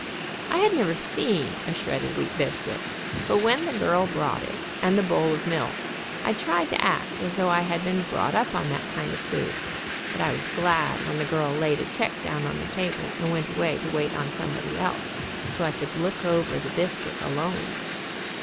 I had never seen a shredded wheat biscuit, but when the girl brought it, and the bowl of milk, I tried to act as though I had been brought up on that kind of food, but I was glad when the girl laid a check down on the table and went away to wait on somebody else, so I could look over the biscuit alone.